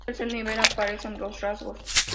En un tercer nivel aparecen los rasgos.